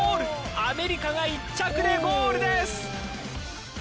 アメリカが１着でゴールです。